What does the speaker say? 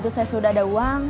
saya sudah ada uang